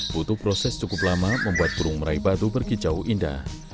butuh proses cukup lama membuat burung meraih batu berkicau indah